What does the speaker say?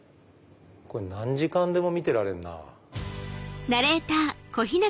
これ何時間でも見てられるなぁ。